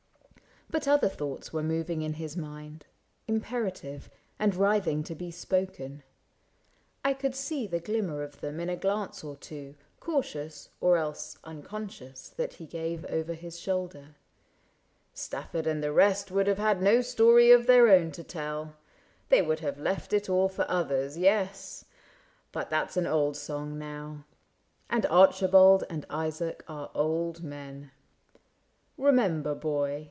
But other thoughts Were moving in his mind, imperative, And writhing to be spoken : I could see The glimmer of them in a glance or two, Cautious, or else unconscious, that he gave Over his shoulder :...^^ Stafford and the rest Would have had no story of their own to tell ; They would have left it all for others — yes — But that 's an old song now, and Archibald And Isaac are old men. Remember, boy.